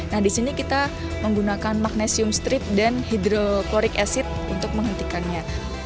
nah di sini kita menggunakan magnesium strip dan hidrocloric acid untuk menghentikannya